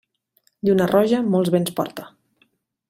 Lluna roja, molts vents porta.